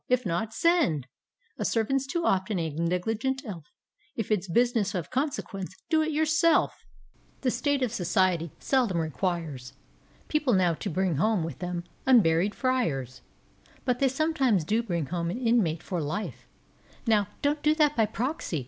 — if not, Send!" A servant's too often a negligent elf! — If it's business of consequence, do it yourself! D,gt,, erihyGOOglC Pompey't Ghost 103 The state of society seldom requires People now to bring home with them unburied Friars, But they sometimes do bring home an inmate for life; Now — don't do that by proxy!